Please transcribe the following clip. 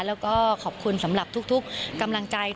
แล้วก็ขอบคุณสำหรับทุกกำลังใจ